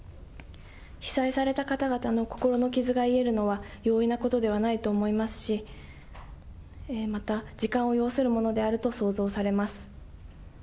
被災された方々の心の傷が癒えるのは容易なことではないと思いますし、また時間を要するものであると想像されます。